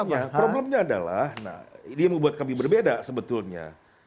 nah problemnya adalah nah ini yang membuat kami berbeda sebetulnya